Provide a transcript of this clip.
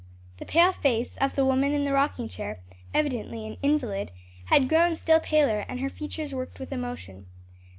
The pale face of the woman in the rocking chair, evidently an invalid, had grown still paler and her features worked with emotion.